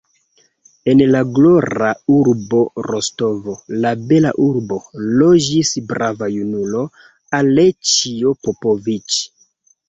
En la glora urbo Rostovo, la bela urbo, loĝis brava junulo, Aleĉjo Popoviĉ.